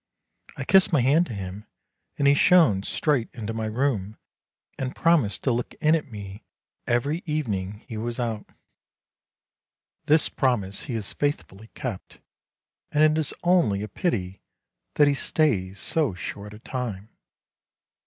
I kissed my hand to him, and he shone straight into my room and promised to look in at me every evening he w r as out. This promise he has faithfully kept, and it is only a pity that he stays so short a time.